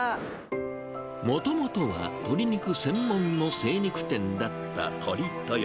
もともとは、鶏肉専門の精肉店だった鳥豊。